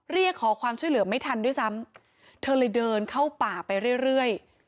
เรียกขอความช่วยเหลือไม่ทันด้วยซ้ำเธอเลยเดินเข้าป่าไปเรื่อย